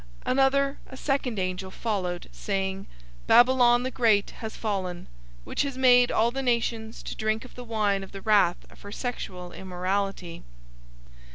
014:008 Another, a second angel, followed, saying, "Babylon the great has fallen, which has made all the nations to drink of the wine of the wrath of her sexual immorality."